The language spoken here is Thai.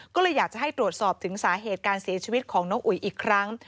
ก็เลยอยากจะให้ตรวจสอบถึงสาเหตุการเสียชีวิตของน้องอุ๋ยอีกครั้ง